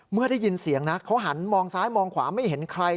เมื่อได้ยินเสียงนะเขาหันมองซ้ายมองขวาไม่เห็นใคร